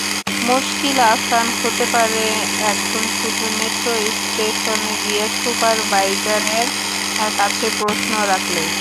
মুশকিল আসান হতে পারে এখন শুধু মেট্রো স্টেশনে গিয়ে সুপারভাইজারের কাছে প্রশ্ন রাখলে।